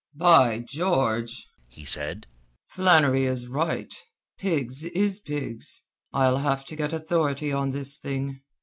"By George!" he said, "Flannery is right, 'pigs is pigs.' I'll have to get authority on this thing.